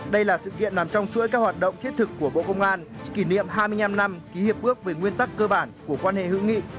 đây là sự kiện nằm trong chuỗi các hoạt động thiết thực của bộ công an kỷ niệm hai mươi năm năm ký hiệp ước về nguyên tắc cơ bản của quan hệ hữu nghị